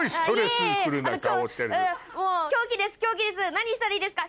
何したらいいですか？